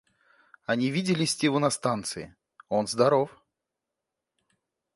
Они видели Стиву на станции, он здоров.